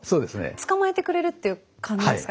捕まえてくれるっていう感じですか？